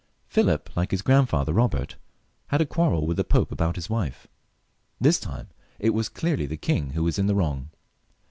Philip, like his grandfather Bobert, had a quarrel with the Pope about his wife. This time it was clearly the king who was in the wrong.